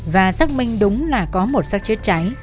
và xác minh đúng là có một sát chết cháy